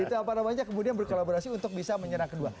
itu apa namanya kemudian berkolaborasi untuk bisa menyerang kedua